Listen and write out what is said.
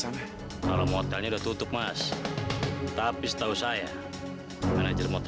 saya ada qualcosa yang leuk kita sambil ikut